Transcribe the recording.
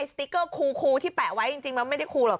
สติ๊กเกอร์คูที่แปะไว้จริงมันไม่ได้ครูหรอก